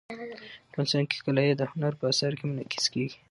افغانستان کې کلي د هنر په اثار کې منعکس کېږي.